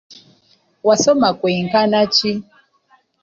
Wasoma kwenkana ki?